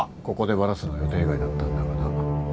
ここでバラすのは予定外だったんだがな。